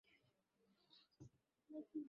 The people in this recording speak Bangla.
আর বুড়ি ডাইনিবিদ্যা দিয়ে সমস্যা ভালো করে দিল?